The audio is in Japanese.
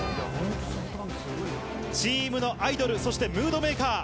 チームのアイドル、そしてムードメーカー。